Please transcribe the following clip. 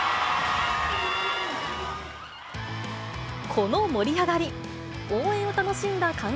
この盛り上がり。